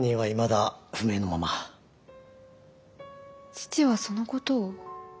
父はそのことを？